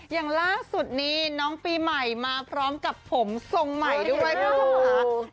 อย่างล่าสุดนี้น้องปีใหม่มาพร้อมกับผมทรงใหม่ด้วยคุณผู้ชมค่ะ